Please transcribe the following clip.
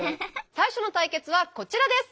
最初の対決はこちらです。